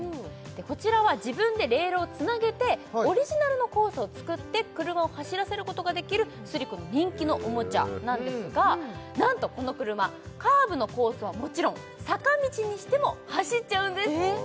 こちらは自分でレールをつなげてオリジナルのコースをつくって車を走らせることができるスリコの人気のおもちゃなんですがなんとこの車カーブのコースはもちろん坂道にしても走っちゃうんです